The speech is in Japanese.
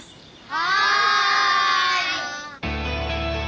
はい。